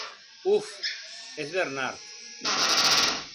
Of!, es Bernard!